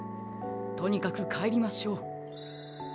とにかくかえりましょう。